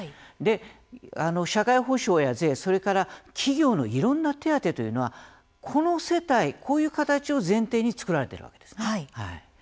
社会保障や税、それから企業のいろんな手当というのはこの世帯、こういう形を前提に作られているわけですね。